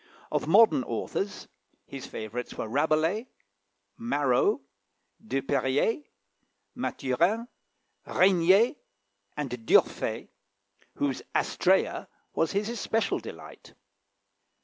Of modern authors his favourites were Rabelais, Marot, De Periers, Mathurin, Régnier, and D'Urfé, whose "Astræa" was his especial delight.